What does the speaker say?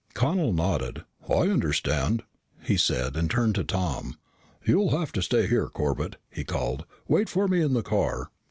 Connel nodded. "I understand," he said and turned to Tom. "You'll have to stay here, Corbett," he called. "Wait for me in the car."